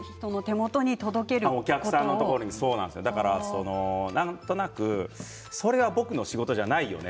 お客さんに届けるなんとなく、それは僕の仕事じゃないよね